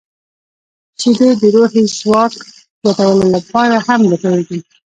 • شیدې د روحي ځواک زیاتولو لپاره هم ګټورې دي.